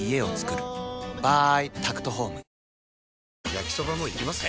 焼きソバもいきます？